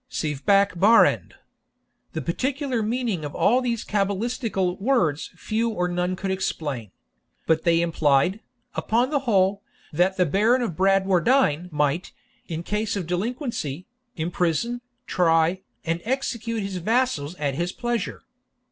sive bak barand.' The peculiar meaning of all these cabalistical words few or none could explain; but they implied, upon the whole, that the Baron of Bradwardine might, in case of delinquency, imprison, try, and execute his vassals at his pleasure.